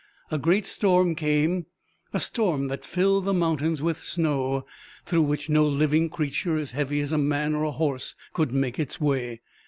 A great storm came; a storm that filled the mountains with snow through which no living creature as heavy as a man or a horse could make its way.